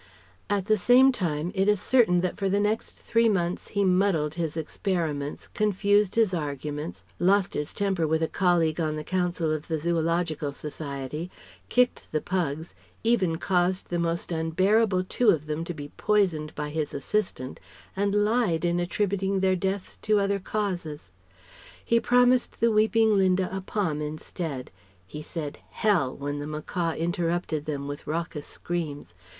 At the same time, it is certain that for the next three months he muddled his experiments, confused his arguments, lost his temper with a colleague on the Council of the Zoological Society, kicked the pugs even caused the most unbearable two of them to be poisoned by his assistant and lied in attributing their deaths to other causes. He promised the weeping Linda a Pom instead; he said "Hell!" when the macaw interrupted them with raucous screams.